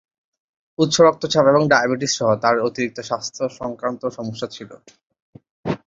উচ্চ রক্তচাপ এবং ডায়াবেটিস সহ তাঁর অতিরিক্ত স্বাস্থ্য সংক্রান্ত সমস্যা ছিল।